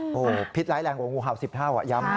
โอ้โฮพิษร้ายแรงกว่างูขาวสิบเท่าอ่ะย้ำ